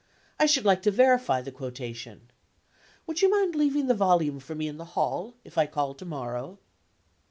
I should like to verify the quotation. Would you mind leaving the volume for me in the hall, if I call to morrow?"